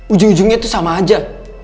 ujung ujungnya itu sama aja